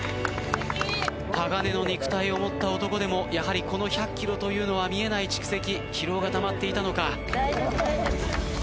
鋼の肉体を持った男でもやはりこの１００ｋｍというのは見えない蓄積疲労がたまっていたのか？